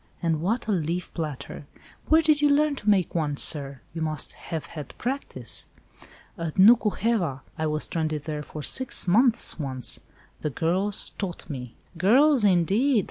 And what a leaf platter! Where did you learn to make one, sir? you must have had practice." "At Nuku heva! I was stranded there for six months once. The girls taught me." "Girls, indeed!